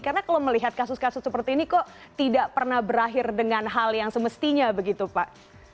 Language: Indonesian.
karena kalau melihat kasus kasus seperti ini kok tidak pernah berakhir dengan hal yang semestinya begitu pak